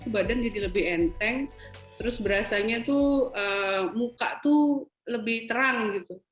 badan jadi lebih enteng terus berasanya tuh muka tuh lebih terang gitu